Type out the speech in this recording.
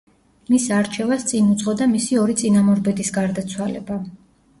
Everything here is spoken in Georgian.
მის არჩევას წინ უძღოდა მისი ორი წინამორბედის გარდაცვალება.